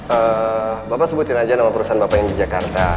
eh bapak sebutin aja nama perusahaan bapak yang di jakarta